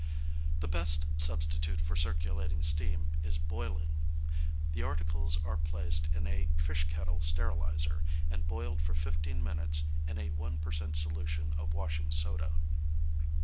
The best substitute for circulating steam is boiling. The articles are placed in a "fish kettle steriliser" and boiled for fifteen minutes in a 1 per cent. solution of washing soda.